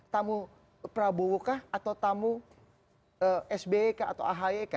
tamu prabowo kah atau tamu sbyk atau ahyk